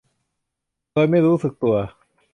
โดยไม่รู้สึกตัว